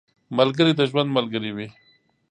ملګری د ژوند ملګری وي